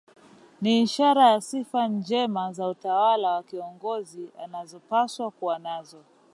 Ni ishara ya sifa njema za utawala za kiongozi anazopaswa kuwa nazo